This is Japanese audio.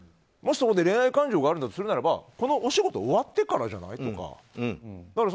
もしそこで恋愛感情があるとするならばこのお仕事終わってからじゃない？とか。